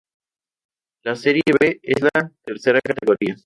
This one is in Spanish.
La "Serie B" es la tercera categoría.